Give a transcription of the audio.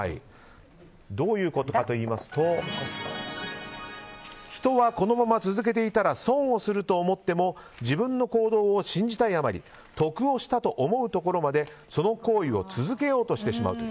どういうことかといいますと人はこのまま続けていたら損をすると思っても自分の行動を信じたいあまり得をしたと思うところまでその行為を続けようとしてしまう。